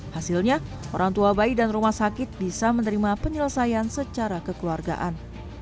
hasilnya orang tua bayi dan rumah sakit bisa menerima penyelesaian secara kekeluargaan